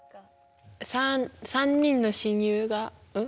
３人の親友がん？